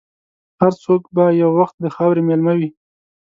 هر څوک به یو وخت د خاورې مېلمه وي.